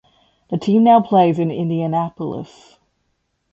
The team now plays in Indianapolis.